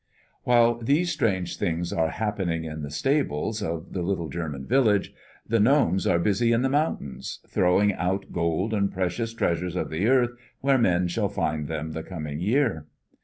While these strange things are happening in the stables of the little German village, the gnomes are busy in the mountains, throwing out gold and precious treasures of the earth where men shall find them the coming year.